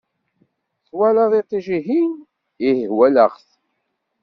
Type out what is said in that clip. Twalaḍ iṭij-ihin? Ih walaɣ-t!